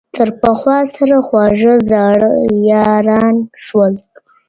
تر پخوا سره خواږه زاړه یاران سول `